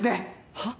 はっ？